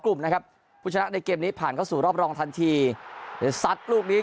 กลุ่มนะครับผู้ชนะในเกมนี้ผ่านเข้าสู่รอบรองทันทีเดี๋ยวซัดลูกนี้